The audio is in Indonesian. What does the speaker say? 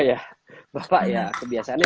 ya bapak ya kebiasaannya